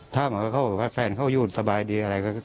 ถามเขาว่าแฟนเขายุ่นสบายดีอะไร